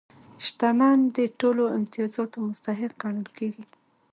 شتمن د ټولو امتیازاتو مستحق ګڼل کېږي.